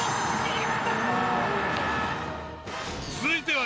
続いては。